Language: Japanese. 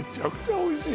おいしい。